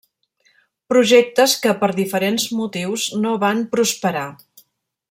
Projectes que per diferents motius no van prosperar.